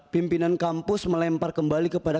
pimpinan kampus melempar kembali kepada